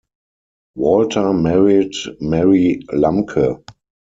Walter married Mary Lamke.